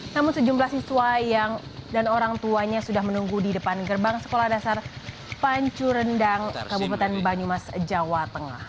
namun sejumlah siswa dan orang tuanya sudah menunggu di depan gerbang sekolah dasar pancu rendang kabupaten banyumas jawa tengah